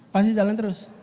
pasti jalan terus